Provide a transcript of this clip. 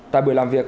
tại buổi làm việc